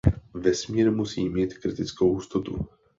Vesmír musí mít kritickou hustotu.